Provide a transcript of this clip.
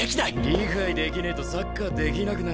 理解できねえとサッカーできなくなるんだっけ？